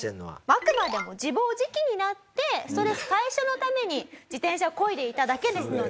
あくまでも自暴自棄になってストレス解消のために自転車をこいでいただけですので。